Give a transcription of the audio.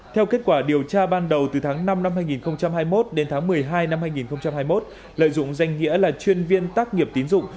theo kết quả điều tra ban đầu từ tháng năm năm hai nghìn hai mươi một đến tháng một mươi hai năm hai nghìn hai mươi một lợi dụng danh nghĩa là chuyên viên tác nghiệp tín dụng